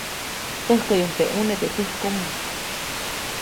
Täjkäyuʼuŋ teʼ ʼuneʼ teʼ täjkomo.